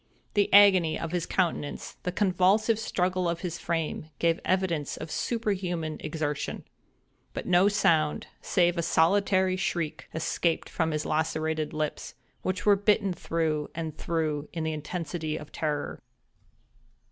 The agony of his countenance, the convulsive struggle of his frame, gave evidence of superhuman exertion: but no sound, save a solitary shriek, escaped from his lacerated lips, which were bitten through and through in the intensity of terror.